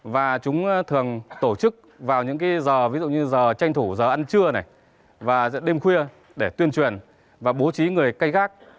và chúng thường tổ chức vào những giờ ví dụ như giờ tranh thủ giờ ăn trưa này và đêm khuya để tuyên truyền và bố trí người cây gác